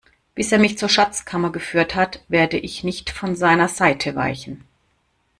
Bis er mich zur Schatzkammer geführt hat, werde ich nicht von seiner Seite weichen.